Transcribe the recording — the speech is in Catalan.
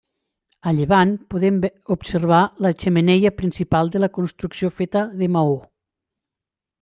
A llevant podem observar la xemeneia principal de la construcció feta de maó.